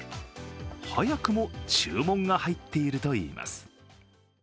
早くも注文が入っているといいます。